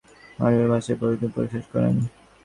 তিনি মারাঠি ভাষায় পুরাতন নিয়ম প্রকাশ করেন।